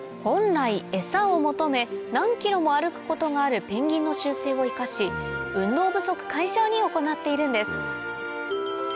本来エサを求め何ｋｍも歩くことがあるペンギンの習性を生かし運動不足解消に行っているんです